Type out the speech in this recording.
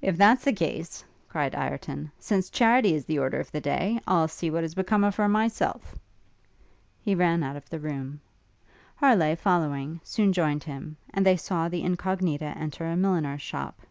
'If that's the case,' cried Ireton, 'since charity is the order of the day, I'll see what is become of her myself.' He ran out of the room. Harleigh, following, soon joined him, and they saw the Incognita enter a milliner's shop.